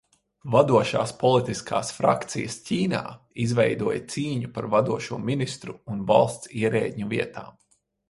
Vadošās politiskās frakcijas Ķīnā izveidoja cīņu par vadošo ministru un valsts ierēdņu vietām.